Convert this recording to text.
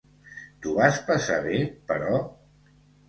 T'ho vas passar bé, però?